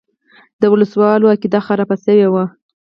د وسله والو عقیده خرابه شوې وه.